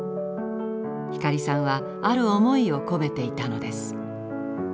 光さんはある思いを込めていたのです。